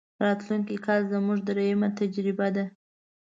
راتلونکی کال زموږ درېمه تجربه ده.